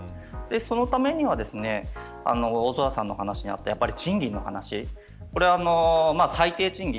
そのためには大空さんの話にあった賃金の話最低賃金